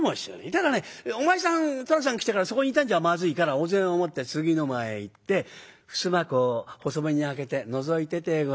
ただねお前さん寅さん来たらそこにいたんじゃまずいからお膳を持って次の間へ行って襖こう細めに開けてのぞいててごらん。